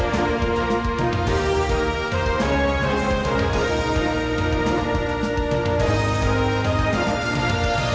kisah tentang kehidupan yang harmoni